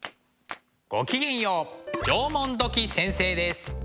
ごきげんよう縄文土器先生です。